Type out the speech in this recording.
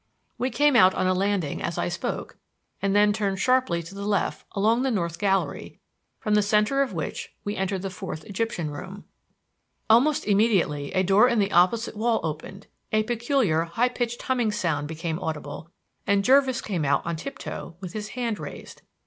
We came out on a landing as I spoke and then turned sharply to the left along the North Gallery, from the center of which we entered the Fourth Egyptian Room. Almost immediately, a door in the opposite wall opened; a peculiar, high pitched humming sound became audible, and Jervis came out on tiptoe with his hand raised.